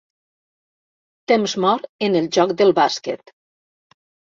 Temps mort en el joc del bàsquet.